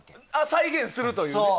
再現するというね。